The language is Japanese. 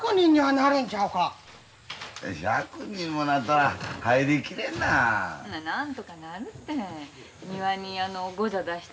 なんとかなるて。